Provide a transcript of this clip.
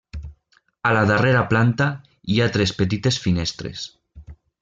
A la darrera planta hi ha tres petites finestres.